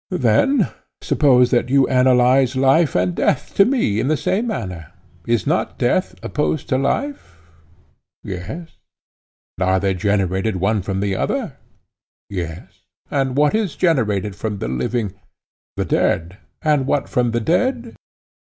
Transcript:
Then, suppose that you analyze life and death to me in the same manner. Is not death opposed to life? Yes. And they are generated one from the other? Yes. What is generated from the living? The dead. And what from the dead?